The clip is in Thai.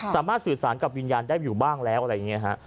สามารถสื่อสารกับวิญญาณได้อยู่บ้างแล้วอะไรอย่างนี้ฮะ